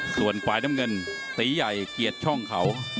ส่วนฝ่ายน้ำเงินตีใหญ่เกียรติช่องเขา